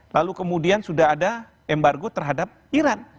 lalu kemudian sudah ada embargo terhadap iran